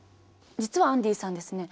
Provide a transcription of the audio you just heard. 実はアンディさんですね